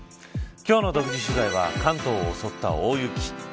今日の独自取材は関東を襲った大雪。